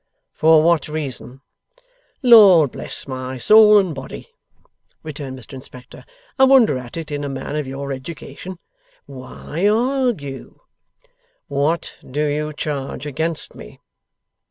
'For what reason?' 'Lord bless my soul and body!' returned Mr Inspector, 'I wonder at it in a man of your education. Why argue?' 'What do you charge against me?